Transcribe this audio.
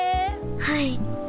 はい。